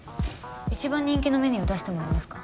一番人気のメニューを出してもらえますか？